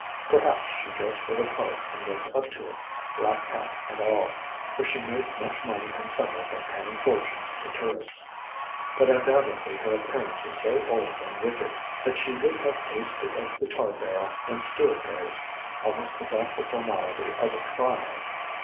Perhaps she dressed for the part and lived up to it, black cat and all, for she made much money in summer by telling fortunes to tourists. But undoubtedly her appearance was so old and wicked, that she would have tasted of the tar barrel in Stuart days, almost without the formality of a trial.